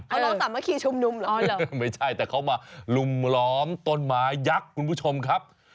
อารมณ์สามัคคีชุมนุมเหรอไม่ใช่แต่เขามาลุมล้อมต้นไม้ยักษ์คุณผู้ชมครับ